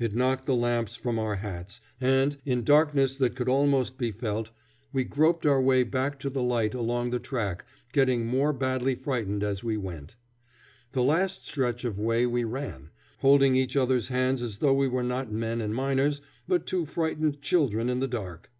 It knocked the lamps from our hats, and, in darkness that could almost be felt, we groped our way back to the light along the track, getting more badly frightened as we went. The last stretch of way we ran, holding each other's hands as though we were not men and miners, but two frightened children in the dark.